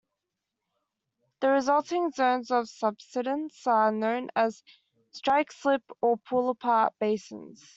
The resulting zones of subsidence are known as strike-slip or pull-apart basins.